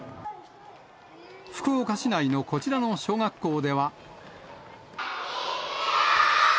福岡市内のこちらの小学校では。